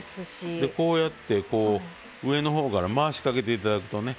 こうやってこう上のほうから回しかけて頂くとね。